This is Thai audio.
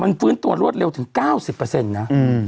มันฟื้นตัวรวดเร็วถึง๙๐นะ